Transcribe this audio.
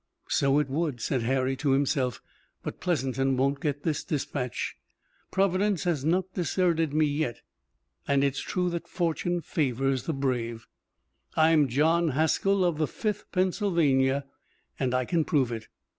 "So it would," said Harry to himself. "But Pleasanton won't get this dispatch. Providence has not deserted me yet; and it's true that fortune favors the brave. I'm John Haskell of the Fifth Pennsylvania and I can prove it."